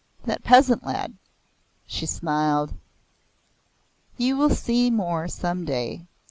"That peasant lad." She smiled. "You will see more some day.